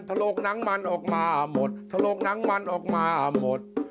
ถ้าโลกนั้นมันออกมาหมดถ้าโลกนั้นมันออกมาหมด